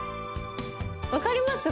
わかります？